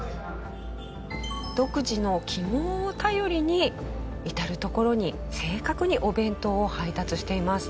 独自の記号を頼りに至る所に正確にお弁当を配達しています。